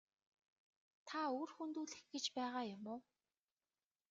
Та үр хөндүүлэх гэж байгаа юм уу?